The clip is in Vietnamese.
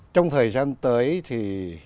trong thời gian tới thì